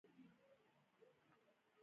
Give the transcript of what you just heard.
قیمت یی ووایه